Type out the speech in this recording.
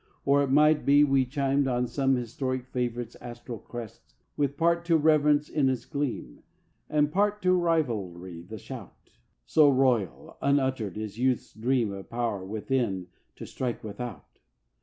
Or it might be we chimed on some Historic favourite's astral crest, With part to reverence in its gleam, And part to rivalry the shout: So royal, unuttered, is youth's dream Of power within to strike without.